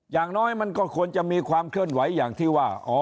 อย่างน้อยมันก็ควรจะมีความเคลื่อนไหวอย่างที่ว่า